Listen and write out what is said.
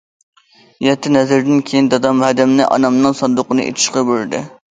يەتتە نەزىردىن كېيىن دادام ھەدەمنى ئانامنىڭ ساندۇقىنى ئېچىشقا بۇيرۇدى.